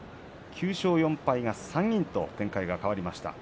９勝４敗が３人と展開が変わりました。